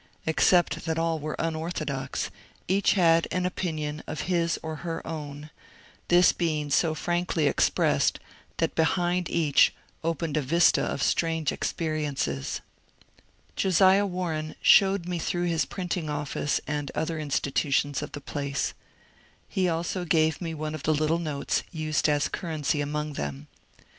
Except that all were unorthodox, each had an opinion of his or her own ; this being so frankly expressed that behind each opened a vista of strange experiences. Josiah Warren showed me through his printing office and other institutions of the place. He also gave me one of the little notes used as currency among them.